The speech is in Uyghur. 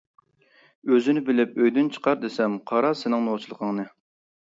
ئۆزىنى بىلىپ ئۆيدىن چىقار دېسەم، قارا سېنىڭ نوچىلىقىڭنى.